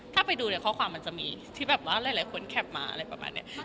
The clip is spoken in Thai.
ถ้าไปดูในข้อความมันจะมีที่แบบว่าหลายคนแคปมาอะไรประมาณนี้